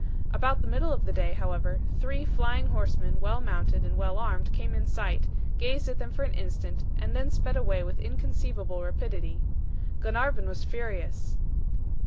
About the middle of the day, however, three flying horsemen, well mounted and well armed came in sight, gazed at them for an instant, and then sped away with inconceivable rapidity. Glenarvan was furious.